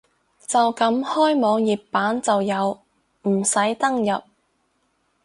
就咁開網頁版就有，唔使登入